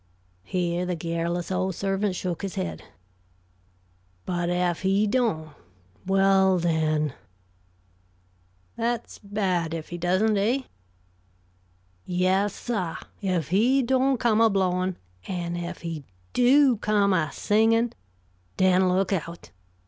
Here the garrulous old servant shook his head. "But ef he don't well den " "That's bad, if he doesn't, eh?" "Yessah. Ef he don' come a blowin' an' ef he do come a singin', den look out!